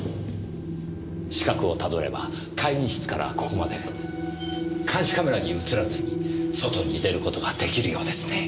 死角をたどれば会議室からここまで監視カメラに映らずに外に出ることが出来るようですね。